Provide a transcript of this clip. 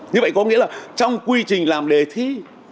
như vậy có nghĩa là trong quy trình làm đề thi